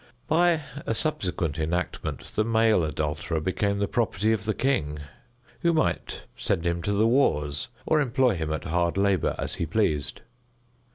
By a subsequent enactment the male adulterer became the property of the king, who might send him to the wars, or employ him at hard labor as he pleased.